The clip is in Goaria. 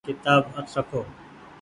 ڪيتآب اٺ رکو ۔